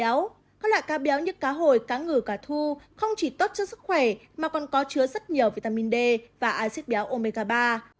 áo các loại cá béo như cá hồi cá ngừ cá thu không chỉ tốt cho sức khỏe mà còn có chứa rất nhiều vitamin d và acid béo omega ba